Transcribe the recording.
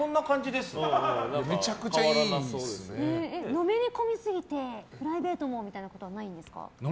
のめり込みすぎてプライベートもみたいなことないんですか？